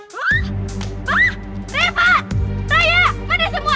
reva raya pada semua